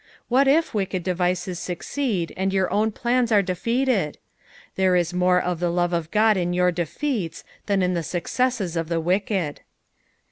What if wicked devices succeed and your own plans are defeated I there a more of the love of Qod in your defeata than in the successes of the wicked.